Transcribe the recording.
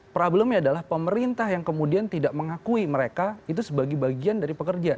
problemnya adalah pemerintah yang kemudian tidak mengakui mereka itu sebagai bagian dari pekerja